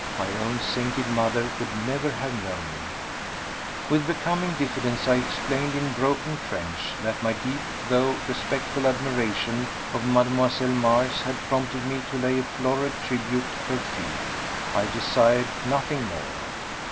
My own sainted mother would never have known me. With becoming diffidence I explained in broken French that my deep though respectful admiration of Mlle. Mars had prompted me to lay a floral tribute at her feet. I desired nothing more.